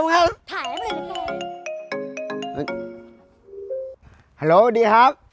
ถ่ายอะไรมาเลยเทฮัลโหลสวัสดีครับ